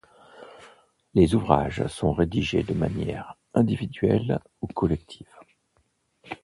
Les ouvrages sont rédigés de manière individuelle ou collective.